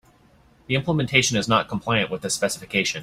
The implementation is not compliant with the specification.